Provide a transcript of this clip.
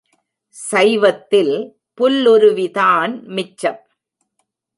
சைவத்தில் புல்லுருவிதான் மிச்சம்.